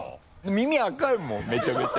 耳赤いもんめちゃめちゃ。